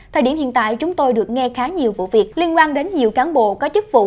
thời điểm hiện tại chúng tôi được nghe khá nhiều vụ việc liên quan đến nhiều cán bộ có chức vụ